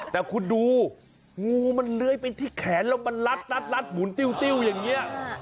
แต่คุณดูงูมันเลื้อยไปที่แขนแล้วมันลัดหมุนติ้วอย่างนี้